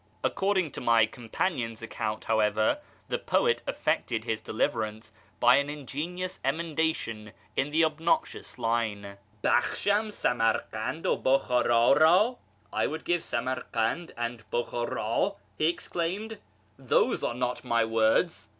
According to my companion's account, however, the poet effected his deliverance by an ingenious emendation in the obnoxious line, " 'Bakksham Samarkand it BtiJchdrd rd !'" ('I would give Samarkand and Bukhara ') he exclaimed ;" those are not my words